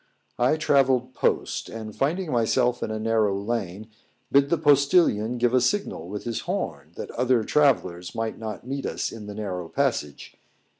I travelled post, and finding myself in a narrow lane, bid the postillion give a signal with his horn, that other travellers might not meet us in the narrow passage.